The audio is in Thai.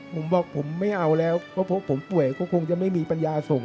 ผมบอกผมไม่เอาแล้วเพราะผมป่วยก็คงจะไม่มีปัญญาส่ง